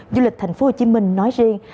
du lịch tp hcm nói riêng